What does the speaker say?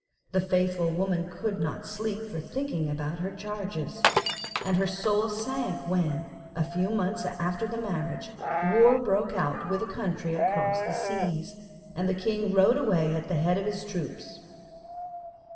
The faithful woman could not sleep for thinking about her charges, and her soul sank when, a few months after the marriage, war broke out with a country across the seas, and the king rode away at the head of his troops.